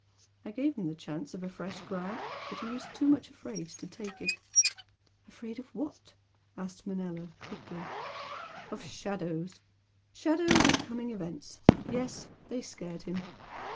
I gave him the chance of fresh grab but he was too much afraid to take it " "Afraid of what?" asked Manella, quickly. "Of shadows! shadows of coming events! yes, they scared him!